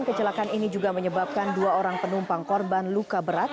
kecelakaan ini juga menyebabkan dua orang penumpang korban luka berat